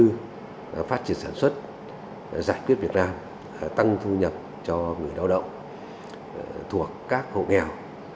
như phát triển sản xuất giải quyết việt nam tăng thu nhập cho người lao động thuộc các hộ nghèo